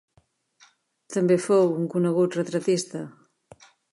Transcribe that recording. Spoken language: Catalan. També fou un conegut retratista.